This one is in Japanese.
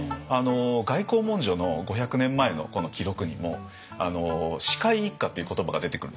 外交文書の５００年前の記録にも「四海一家」っていう言葉が出てくるんです。